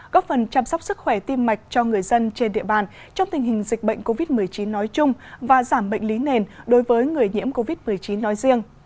góp phần chăm sóc sức khỏe tim mạch cho người dân trên địa bàn trong tình hình dịch bệnh covid một mươi chín nói chung và giảm bệnh lý nền đối với người nhiễm covid một mươi chín nói riêng